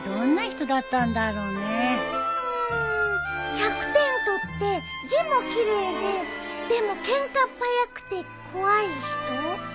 １００点取って字も奇麗ででもケンカっ早くて怖い人？